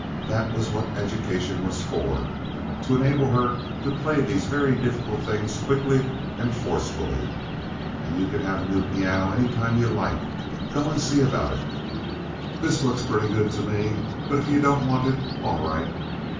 That was what education was for—to enable her to play these very difficult things quickly and forcefully. "And you can have a new piano any time you like. Go and see about it. This looks pretty good to me, but if you don't want it, all right."